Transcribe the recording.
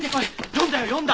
読んだよ読んだ！